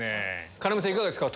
要さんいかがですか？